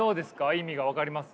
意味が分かります？